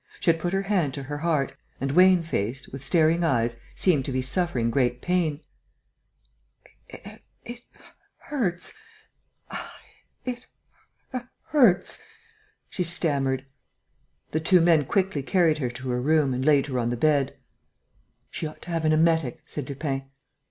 She had put her hand to her heart and, wan faced, with staring eyes, seemed to be suffering great pain: "It hurts ... it hurts," she stammered. The two men quickly carried her to her room and laid her on the bed: "She ought to have an emetic," said Lupin.